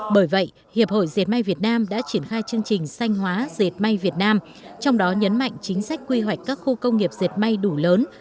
bởi vậy hiệp hội diệt may việt nam đã triển khai chương trình sanh hóa dệt may việt nam trong đó nhấn mạnh chính sách quy hoạch các khu công nghiệp dệt may đủ lớn